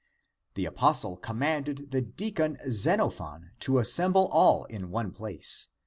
The apostle commanded the deacon Xenophon ^ to assemble all in one place.